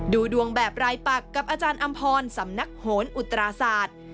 ดูดวงแบบรายปักกับอาจารย์อำพรสำนักโหนอุตราศาสตร์